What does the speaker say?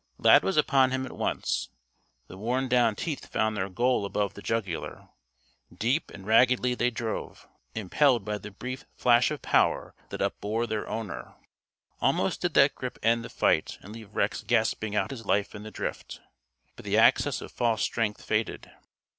Lad was upon him at once. The worn down teeth found their goal above the jugular. Deep and raggedly they drove, impelled by the brief flash of power that upbore their owner. Almost did that grip end the fight and leave Rex gasping out his life in the drift. But the access of false strength faded.